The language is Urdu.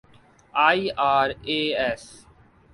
آئیآراےایس